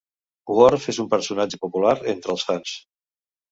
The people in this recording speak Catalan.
Worf és un personatge popular entre els fans.